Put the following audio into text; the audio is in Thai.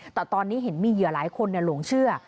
แต่ตอนนี้เห็นมีเหยื่อหลายคนหลงเชื่อ